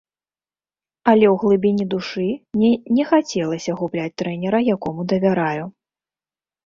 Але ў глыбіні душы мне не хацелася губляць трэнера, якому давяраю.